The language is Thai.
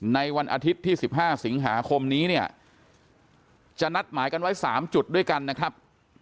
ในวันอาทิตย์ที่๑๕สิงหาคมนี้เนี่ยจะนัดหมายกันไว้๓จุดด้วยกันนะครับ